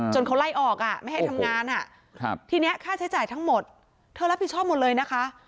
เขาไล่ออกไม่ให้ทำงานทีนี้ค่าใช้จ่ายทั้งหมดเธอรับผิดชอบหมดเลยนะคะ